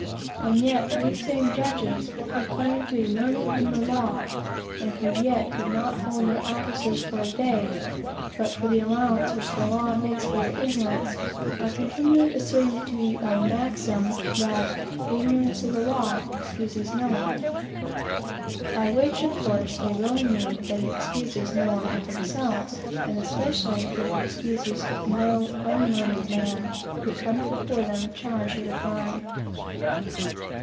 And yet these same judges, who claim to be learned in the law, and who yet could not hold their offices for a day, but for the allowance which the law makes for their ignorance, are continually asserting it to be a "maxim" that "ignorance of the law excuses no one;" (by which, of course, they really mean that it excuses no one but themselves; and especially that it excuses no unlearned man, who comes before them charged with crime.)